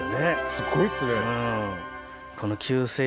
すごいっすね。